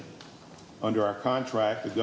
menurut kontrak kami